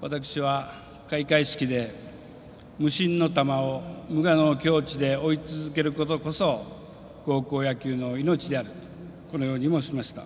私は開会式で無心の球を無我の境地で追い続けることこそ高校野球の命であるとこのように申しました。